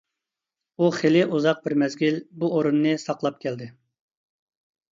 ئۇ خېلى ئۇزاق بىر مەزگىل بۇ ئورۇننى ساقلاپ كەلدى.